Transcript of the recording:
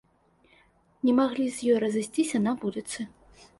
Не маглі з ёй разысціся на вуліцы.